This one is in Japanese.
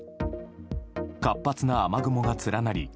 活発な雨雲が連なり